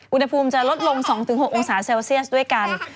อุณหภูมิจะลดลง๒๖องศาเซลเซียสด้วยกัน